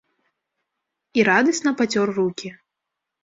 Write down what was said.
І радасна пацёр рукі.